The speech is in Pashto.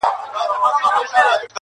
زه مسافر پر لاره ځم سلګۍ وهمه!!